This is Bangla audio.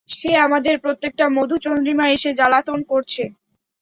সে আমাদের প্রত্যেকটা মধুচন্দ্রিমায় এসে জ্বালাতন করছে।